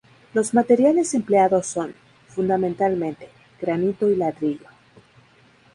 Los materiales empleados son, fundamentalmente, granito y ladrillo.